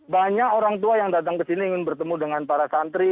banyak orang tua yang datang ke sini ingin bertemu dengan para santri